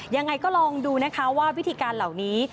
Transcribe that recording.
ยังไงก็ลองดูนะคะว่าวิธีการเหล่านี้